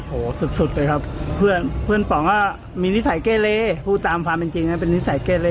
โหสุดเลยครับเพื่อนป๋องก็มีนิสัยเก้เลผู้ตามความเป็นจริงเป็นนิสัยเก้เล